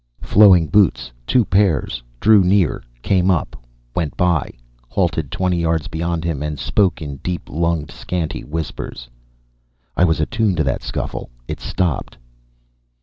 Flowing Boots, two pairs, drew near, came up, went by, halted twenty yards beyond him, and spoke in deep lunged, scanty whispers: "I was attune to that scuffle; it stopped."